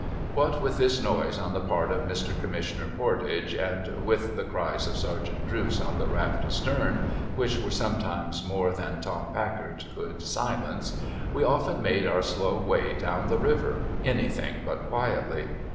What with this noise on the part of Mr. Commissioner Pordage, and what with the cries of Sergeant Drooce on the raft astern (which were sometimes more than Tom Packer could silence), we often made our slow way down the river, anything but quietly.